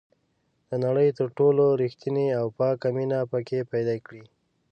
د نړۍ تر ټولو ریښتینې او پاکه مینه پکې پیدا کړئ.